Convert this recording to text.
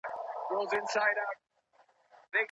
توتان بې وچولو نه ساتل کېږي.